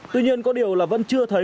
tuy nhiên có điều là vẫn chưa thấy